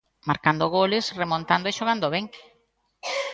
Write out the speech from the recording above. Marcando goles, remontando e xogando ben.